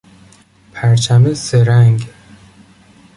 پرچم سه رنگ